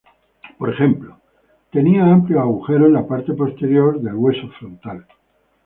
Por ejemplo, tenía amplios agujeros en la parte posterior del hueso frontal.